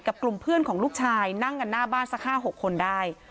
กลุ่มเพื่อนของลูกชายนั่งกันหน้าบ้านสัก๕๖คนได้